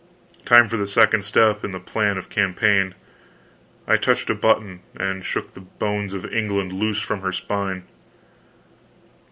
Time for the second step in the plan of campaign! I touched a button, and shook the bones of England loose from her spine!